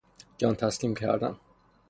جان تسلیم کردن